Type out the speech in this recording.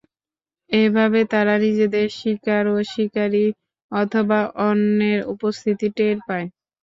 এভাবে তারা নিজেদের শিকার ও শিকারি অথবা অন্যের উপস্থিতি টের পায়।